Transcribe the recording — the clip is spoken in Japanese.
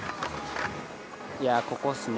いやあここっすね。